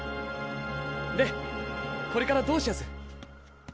でこれからどうしやす？